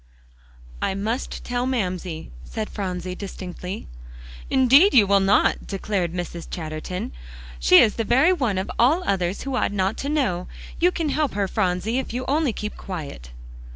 "I must tell Mamsie," said Phronsie distinctly. "Indeed you will not," declared Mrs. Chatterton. "She is the very one of all others who ought not to know. You can help her, Phronsie, if you only keep quiet."